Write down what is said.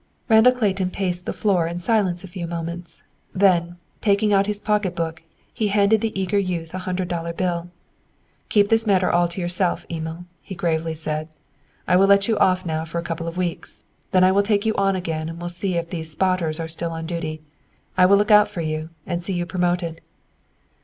Randall Clayton paced the floor in silence a few moments. Then, taking out his pocketbook, he handed the eager youth a hundred dollar bill. "Keep this matter all to yourself, Emil," he gravely said. "I will let you off now for a couple of weeks. Then I will take you on again and will see if these 'spotters' are still on duty. I will look out for you, and see you promoted."